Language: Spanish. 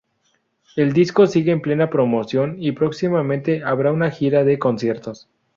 El disco sigue en plena promoción y próximamente habrá una gira de conciertos.